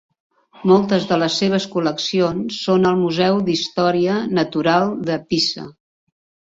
Moltes de les seves col·leccions són al Museu d'Història Natural de Pisa.